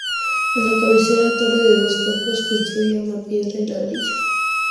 En la cabecera, torre de dos cuerpos, construida en piedra y ladrillo.